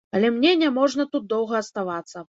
Але мне няможна тут доўга аставацца.